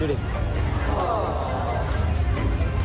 ดูดูดิ